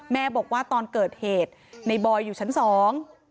แม่บอกว่าตอนเกิดเหตุในบอยอยู่ชั้นสอง